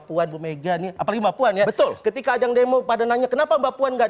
puan bumega nih apalagi mbak puan ya betul ketika ada yang demo pada nanya kenapa mbak puan enggak